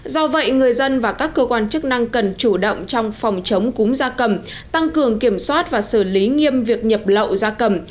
do vậy người dân và các cơ quan chức năng cần chủ động trong phòng chống cúm da cầm tăng cường kiểm soát và xử lý nghiêm việc nhập lậu da cầm